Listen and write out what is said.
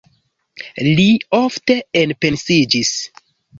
Li ofte enpensiĝis.